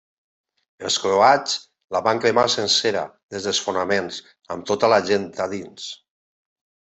Els croats la van cremar sencera des dels fonaments, amb tota la gent a dins.